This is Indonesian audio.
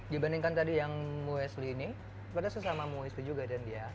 dibandingkan tadi yang muesli ini pada sesama muesli juga dan dia